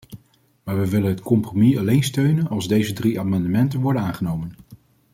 Maar we willen het compromis alleen steunen als deze drie amendementen worden aangenomen.